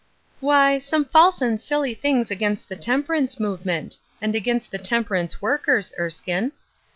" Why, some false and silly things against the temperance movement, and against the temperance workers, Erskine.